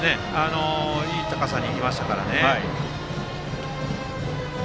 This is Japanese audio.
いい高さに行きましたね。